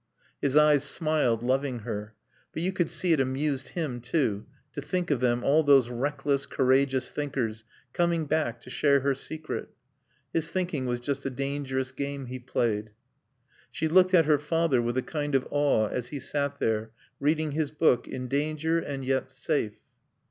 His eyes smiled, loving her. But you could see it amused him, too, to think of them, all those reckless, courageous thinkers, coming back, to share her secret. His thinking was just a dangerous game he played. She looked at her father with a kind of awe as he sat there, reading his book, in danger and yet safe.